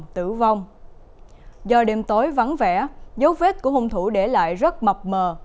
do đêm tối vắng vẻ dấu vết của hung thủ để lại rất mập mờ